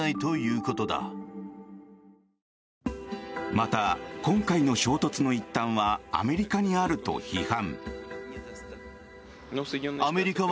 また、今回の衝突の一端はアメリカにあると批判。